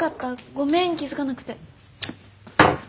ごめん気付かなくて。